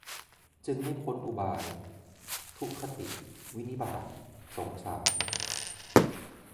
จึงไม่พ้นอุบาย ทุคติ วินิบาต สงสาร